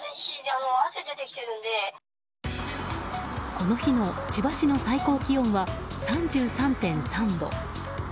この日の千葉市の最高気温は３３．３度。